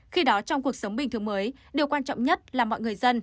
khi đó trong cuộc sống bình thường mới điều quan trọng nhất là mọi người dân